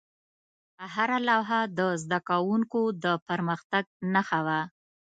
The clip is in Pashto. هره لوحه د زده کوونکو د پرمختګ نښه وه.